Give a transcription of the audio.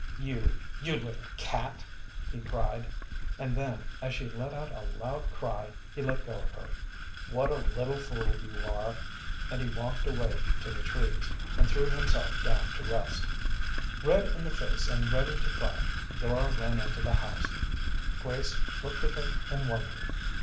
"You you little cat!" he cried, and then, as she let out a loud cry, he let go of her. "What a little fool you are!" And he walked away to the trees, and threw himself down to rest. Red in the face and ready to cry, Dora ran into the house. Grace looked at her in wonder.